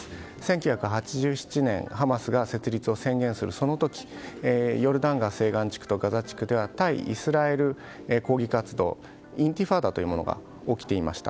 １９８７年ハマスが設立を宣言する、その時ヨルダン川西岸地区とガザ地区では対イスラエル抗議活動インティファーダというものが起きていました。